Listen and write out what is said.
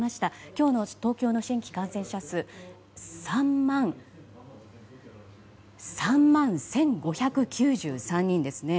今日の東京の新規感染者数は３万１５９３人ですね。